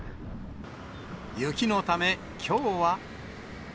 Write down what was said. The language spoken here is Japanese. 雪のため、きょうは。